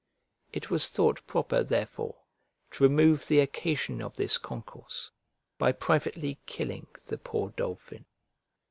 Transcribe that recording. It was thought proper, therefore, to remove the occasion of this concourse, by privately killing the poor dolphin.